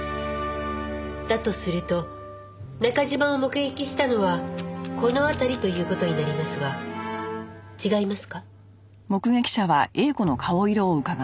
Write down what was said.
だとすると中嶋を目撃したのはこの辺りという事になりますが違いますか？